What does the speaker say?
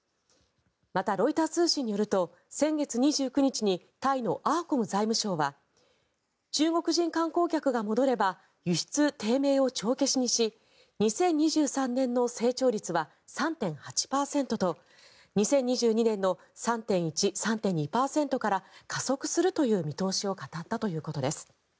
また、ロイター通信によると先月２９日にタイのアーコム財務相は中国人観光客が戻れば輸出低迷を帳消しにし２０２３年の成長率は３．８％と２０２２年の３．１％、３．２％から加速するという見通しを語ったということです。